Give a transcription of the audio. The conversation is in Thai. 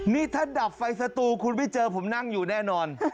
นี่ถ้าดับไฟสตูคุณไม่เจอผมนั่งอยู่แน่นอน